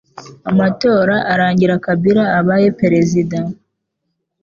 amatora arangira Kabila abaye perezida